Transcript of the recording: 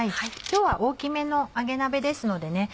今日は大きめの揚げ鍋ですのでね